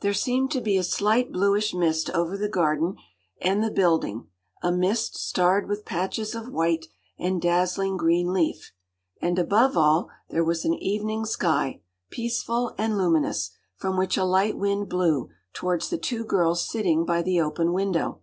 There seemed to be a slight bluish mist over the garden and the building, a mist starred with patches of white and dazzlingly green leaf. And, above all, there was an evening sky, peaceful and luminous, from which a light wind blew towards the two girls sitting by the open window.